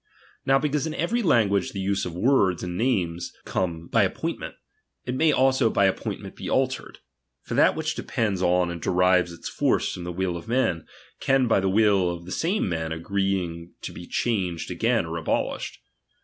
Now because in every language the use of words and names come by appointment, it may also by appointment be altered ; for that which depends on and derives its force from the will of men, can by the will of the same men agreeing be changed again or abolished.